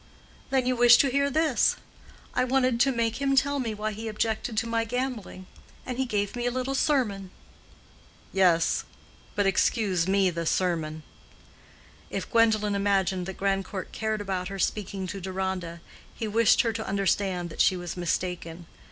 "Then you wish to hear this. I wanted to make him tell me why he objected to my gambling, and he gave me a little sermon." "Yes—but excuse me the sermon." If Gwendolen imagined that Grandcourt cared about her speaking to Deronda, he wished her to understand that she was mistaken.